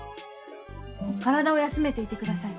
体を休めていて下さい。